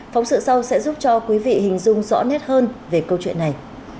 phóng sự sau sẽ giúp cho quý vị hình dung rõ nét hơn về câu chuyện này